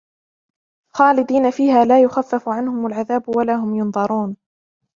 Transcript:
خَالِدِينَ فِيهَا لَا يُخَفَّفُ عَنْهُمُ الْعَذَابُ وَلَا هُمْ يُنْظَرُونَ